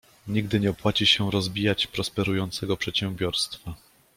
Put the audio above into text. Nigdy nie opłaci się rozbijać prosperującego przedsiębiorstwa.